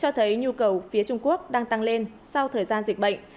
với nhu cầu phía trung quốc đang tăng lên sau thời gian dịch bệnh